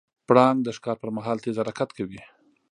پړانګ د ښکار پر مهال تیز حرکت کوي.